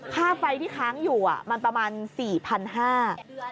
ค่าไฟที่ค้างอยู่มันประมาณ๔๕๐๐บาท